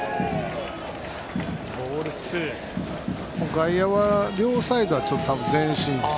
外野は両サイドは前進です。